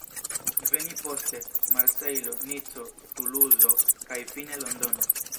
Veni poste, Marsejlo, Nico, Tuluzo kaj fine Londono.